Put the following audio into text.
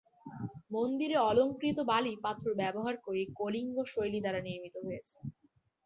মন্দিরে অলঙ্কৃত বালি পাথর ব্যবহার করে কলিঙ্গ শৈলী দ্বারা নির্মিত হয়েছে।